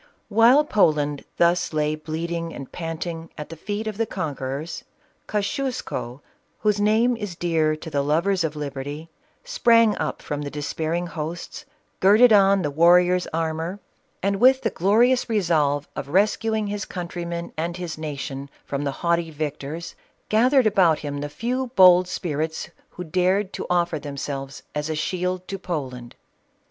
While Poland thus lay bleeding and panting at the feet of the conquerors, Kosciusko, whose name is dear to the lovers of liberty, sprang up from the despairing hosts, girded on the warrior's armor, and, with the glo CATHERINE OF RUSSIA. 435 rious resolve of rescuing his countrymen and his nation from the haughty victors, gathered about him the few bold spirits, who dared to offer themselves as a shield to Poland.